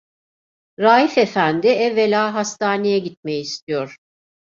Raif efendi evvela hastaneye gitmeyi istiyor.